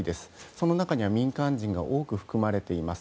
その中には民間人が多く含まれています。